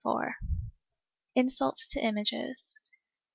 ^ Insults to Images.